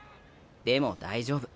でも大丈夫。